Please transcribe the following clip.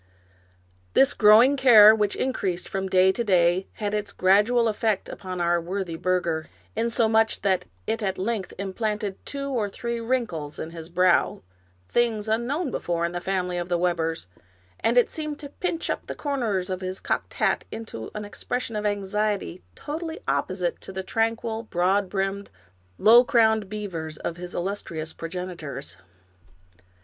This growing care, which increased from day to day, had its gradual effect upon our worthy burgher, insomuch that it at length implanted two or three wrinkles in his brow, things unknown before in the family of the Webbers, and it seemed to pinch up the corners of his cocked hat into an expression of anxiety totally opposite to the tranquil, broad brimmed, low crowned beavers of his illustrious progenitors.